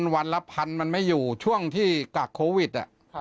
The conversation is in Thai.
วันละพันมันไม่อยู่ช่วงที่กักโควิด